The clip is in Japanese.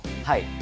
はい。